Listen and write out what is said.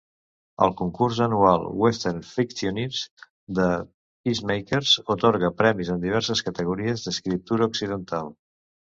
El concurs anual Western Fictioneers de Peacemakers atorga premis en diverses categories d'escriptura occidental.